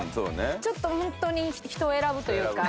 ちょっとホントに人を選ぶというか。